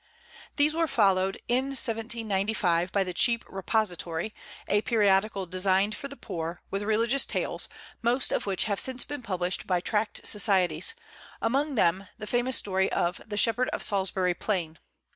These were followed, in 1795, by the "Cheap Repository," a periodical designed for the poor, with religious tales, most of which have since been published by Tract Societies, among them the famous story of "The Shepherd of Salisbury Plain."